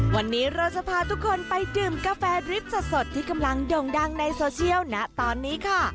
วันนี้เราจะพาทุกคนไปดื่มกาแฟริปสดที่กำลังโด่งดังในโซเชียลนะตอนนี้ค่ะ